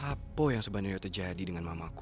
apa yang sebenarnya terjadi dengan mamaku